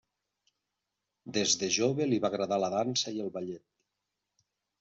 Des de jove li va agradar la dansa i el ballet.